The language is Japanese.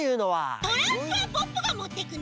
トランプはポッポがもってくね！